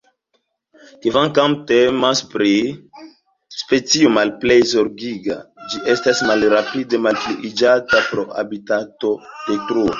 Kvankam temas pri specio Malplej Zorgiga, ĝi estas malrapide malpliiĝanta pro habitatodetruo.